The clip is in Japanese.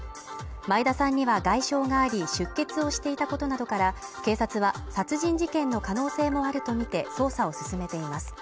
前田さんには外傷があり出血をしていたことなどから警察は殺人事件の可能性もあるとみて捜査を進めています。